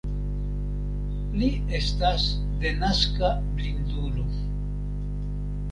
Li estas denaska blindulo.